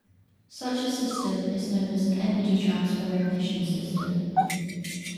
Such a system is known as an "energy transfer" ignition system.